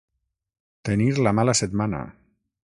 Tenir la mala setmana.